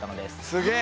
すげえ！